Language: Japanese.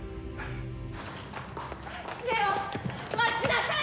祢音待ちなさい！